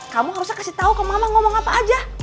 kamu harusnya kasih tahu ke mama ngomong apa aja